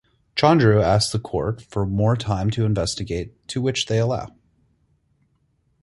Chandru asks the court for more time to investigate to which they allow.